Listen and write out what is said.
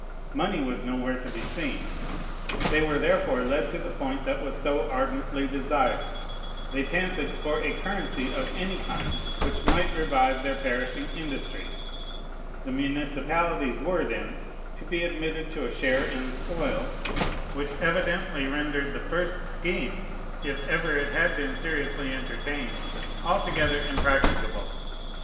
Money was nowhere to be seen. They were therefore led to the point that was so ardently desired. They panted for a currency of any kind which might revive their perishing industry. The municipalities were, then, to be admitted to a share in the spoil, which evidently rendered the first scheme (if ever it had been seriously entertained) altogether impracticable.